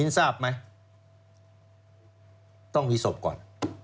ต้องมีศพก่อน